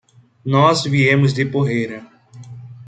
Nós viemos de Porrera.